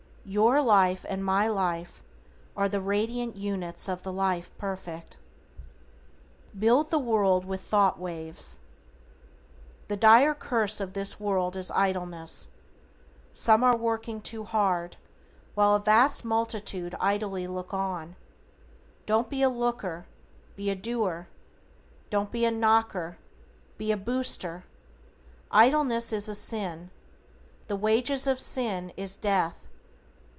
Your life and my life are the radiant units of the Life Perfect. =BUILD THE WORLD WITH THOUGHT WAVES:= The dire curse of this world is idleness. Some are working too hard, while a vast multitude idly look on. Don't be a looker, be a doer. Don't be a knocker, be a booster. Idleness is a sin: "The wages of sin is death."